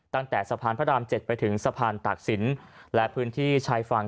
ตั้งแต่สะพานพระราม๗ไปถึงสะพานตากศิลป์และพื้นที่ชายฝั่ง